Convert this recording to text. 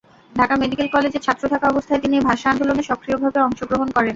Dhaka medical কলেজের ছাত্র থাকা অবস্থায় তিনি ভাষা আন্দোলনে সক্রিয়ভাবে অংশগ্রহণ করেন।